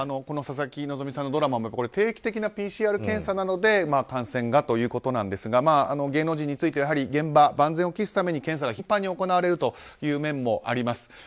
この佐々木希さんのドラマも定期的なＰＣＲ検査なので感染がということなんですが芸能人については現場、万全を期すために検査が頻繁に行われるという面もあります。